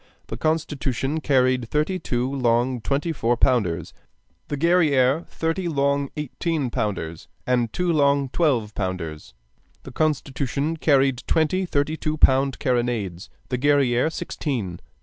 The Constitution carried thirty two long twenty four pounders, the Guerrière thirty long eighteen pounders and two long twelve pounders; the Constitution carried twenty thirty two pound carronades, the Guerrière sixteen.